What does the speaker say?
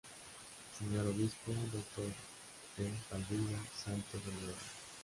Sr. Obispo, Dr. D. Balbino Santos Olivera.